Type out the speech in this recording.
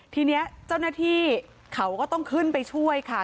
ทีนี้เจ้าหน้าที่เขาก็ต้องขึ้นไปช่วยค่ะ